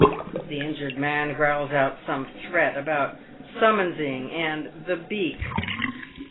The injured man growls out some threat about "summonsing" and f the beak."